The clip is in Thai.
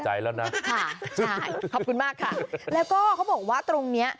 แล้วนะค่ะใช่ขอบคุณมากค่ะแล้วก็เขาบอกว่าตรงเนี้ย